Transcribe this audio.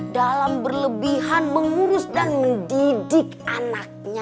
dalam berlebihan mengurus dan mendidik anaknya